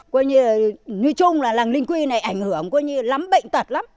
qua như là như chung là làng linh quy này ảnh hưởng quá như lắm bệnh tật lắm